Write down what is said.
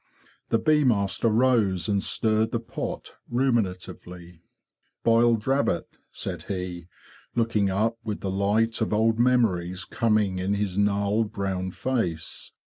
The bee master rose and stirred the pot ruminatively. "" Briled rabbit!'' said he, looking up, with the light of old memories coming in his gnarled brown face.